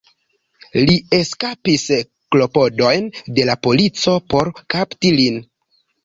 Li eskapis klopodojn de la polico por kapti lin.